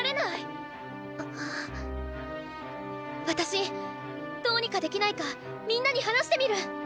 私どうにかできないかみんなに話してみる！